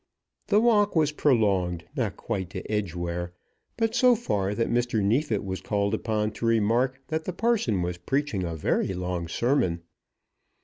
The walk was prolonged not quite to Edgeware; but so far that Mr. Neefit was called upon to remark that the parson was preaching a very long sermon.